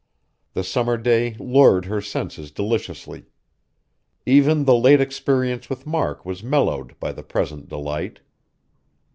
The summer day lured her senses deliciously. Even the late experience with Mark was mellowed by the present delight.